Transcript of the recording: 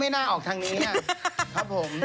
อ๋อไม่น่าออกทางนี้นะครับผม